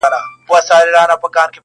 • او د ښکار ورڅخه ورک سو ژوندی مړی -